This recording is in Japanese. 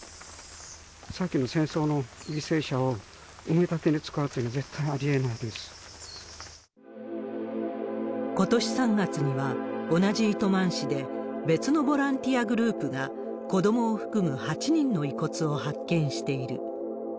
先の戦争の犠牲者を埋め立てに使うというのは絶対にありえないでことし３月には、同じ糸満市で、別のボランティアグループが子どもを含む８人の遺骨を発見している。